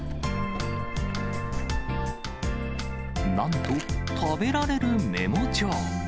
なんと、食べられるメモ帳。